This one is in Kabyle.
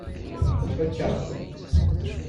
Tfakk-aɣ-tent.